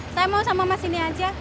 saya mau sama mas ini aja